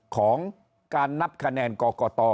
ของการนับคะแนนกรกต